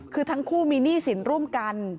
คือทั้งคู่มีหนี้สินร่วมกัน